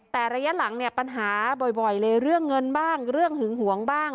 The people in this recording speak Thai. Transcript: แต่ระยะหลังเนี่ยปัญหาบ่อยเลยเรื่องเงินบ้างเรื่องหึงหวงบ้าง